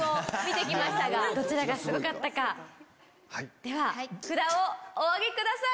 では札をお挙げください。